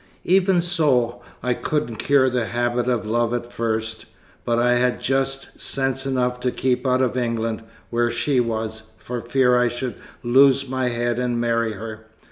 Even so, I couldn't cure the habit of love at first; but I had just sense enough to keep out of England, where she was, for fear I should lose my head and marry her.